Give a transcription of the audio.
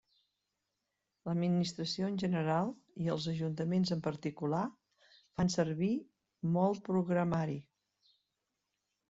L'administració en general i els ajuntaments en particular fan servir molt programari.